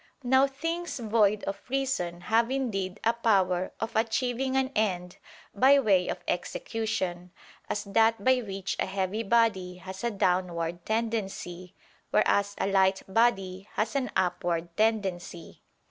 Now things void of reason have indeed a power of achieving an end by way of execution, as that by which a heavy body has a downward tendency, whereas a light body has an upward tendency.